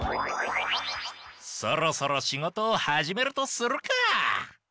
そろそろしごとをはじめるとするか！